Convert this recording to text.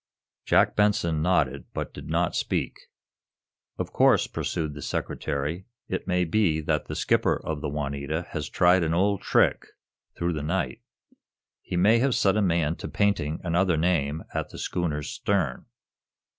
Jack Benson nodded, but did not speak. "Of course," pursued the Secretary, "it may be that the skipper of the 'Juanita' has tried an old trick, through the night. He may have set a man to painting another name at the schooner's stern."